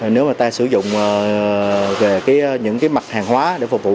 nếu mà ta sử dụng về những mặt hàng hóa để phục vụ